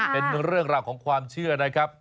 เป็นเรื่องราวของความเชื่อนะครับ